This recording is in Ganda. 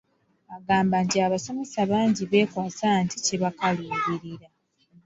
Agamba nti abasomesa bangi beekwasa nti kibakaluubirira.